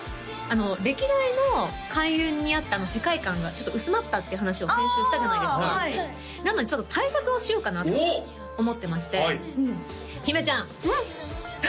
歴代の開運にあった世界観がちょっと薄まったっていう話を先週したじゃないですかなのでちょっと対策をしようかなと思ってまして姫ちゃんうん！？